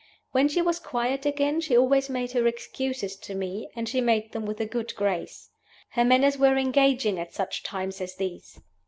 When she was quiet again she always made her excuses to me, and she made them with a good grace. Her manners were engaging at such times as these.